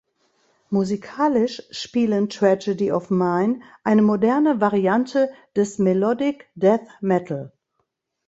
Musikalisch spielen Tragedy of Mine eine moderne Variante des Melodic Death Metal.